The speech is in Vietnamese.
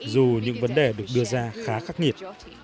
dù những vấn đề được đưa ra khá khắc nghiệt